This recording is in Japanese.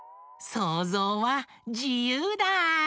そうぞうはじゆうだ！